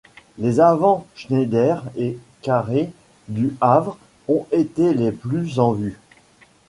Les avants Schneider et Carré du Havre ont été les plus en vue.